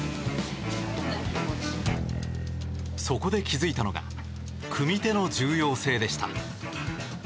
そこで気づいたのが組み手の重要性でした。